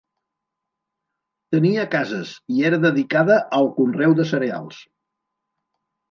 Tenia cases i era dedicada al conreu de cereals.